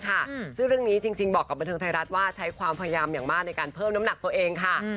ซึ่งเรื่องนี้จริงบอกกับบันเทิงไทยรัฐว่าใช้ความพยายามอย่างมากในการเพิ่มน้ำหนักตัวเองค่ะ